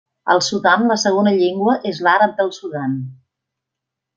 Al Sudan la segona llengua és l'àrab del Sudan.